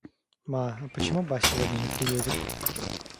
Ма, а почему ба сегодня не приедет?